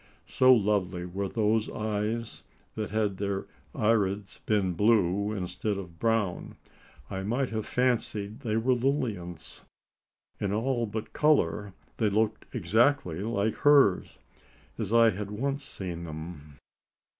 So lovely were those eyes, that had their irides been blue instead of brown, I might have fancied they were Lilian's! In all but colour, they looked exactly like hers as I had once seen them.